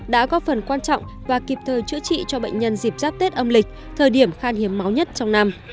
đã góp phần quan trọng và kịp thời chữa trị cho bệnh nhân dịp giáp tết âm lịch thời điểm khan hiếm máu nhất trong năm